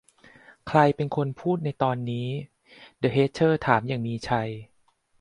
'ใครเป็นคนพูดในตอนนี้ ?' เดอะแฮทเทอร์ถามอย่างมีชัย